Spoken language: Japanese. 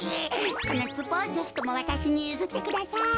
このつぼをぜひともわたしにゆずってください。